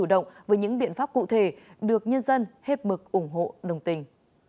động với những biện pháp cụ thể được nhân dân hết mực ủng hộ đồng tình